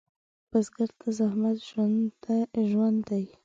بزګر ته زحمت ژوند دی